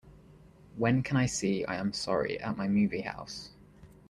When can I see I Am Sorry at my movie house